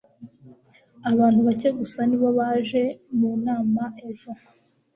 Abantu bake gusa ni bo baje mu nama ejo.